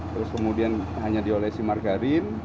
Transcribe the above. terus kemudian hanya diolesi margarin